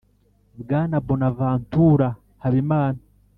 bwana bonavantura habimana